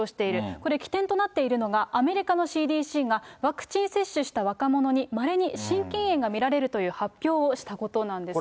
これ、起点となっているのがアメリカのＣＤＣがワクチン接種した若者に、まれに心筋炎が見られるという発表をしたことなんですね。